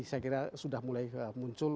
saya kira sudah mulai muncul